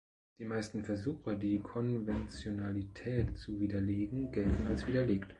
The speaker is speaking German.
Die meisten Versuche, die Konventionalität zu widerlegen, gelten als widerlegt.